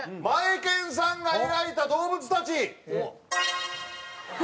マエケンさんが描いた動物たち。